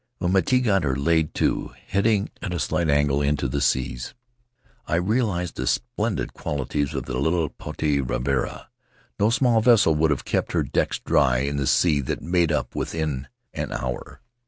When Miti got her laid to, heading at a slight angle into the seas, I realized the splendid qualities of the little Potii Ravarava. No small vessel could have kept her decks dry in the sea that made up within an hour.